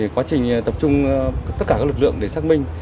quá trình tập trung tất cả các lực lượng để xác minh